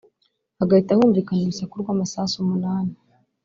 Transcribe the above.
hagahita humvikana urusaku rw’ amasasu umunani